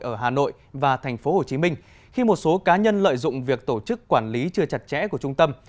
ở hà nội và tp hcm khi một số cá nhân lợi dụng việc tổ chức quản lý chưa chặt chẽ của trung tâm